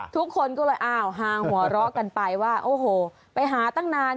ทุกคนก็เลยอ้าวหางหัวเราะกันไปว่าโอ้โหไปหาตั้งนาน